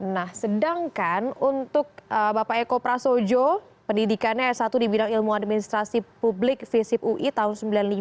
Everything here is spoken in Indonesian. nah sedangkan untuk bapak eko prasojo pendidikannya r satu di bidang ilmu administrasi publik vsib ui tahun sembilan puluh lima